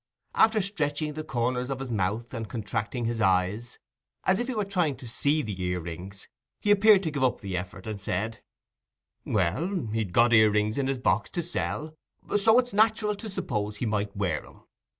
After stretching the corners of his mouth and contracting his eyes, as if he were trying to see the ear rings, he appeared to give up the effort, and said, "Well, he'd got ear rings in his box to sell, so it's nat'ral to suppose he might wear 'em.